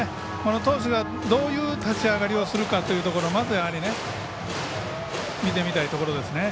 投手がどういう立ち上がりをするかというところまず見てみたいところですね。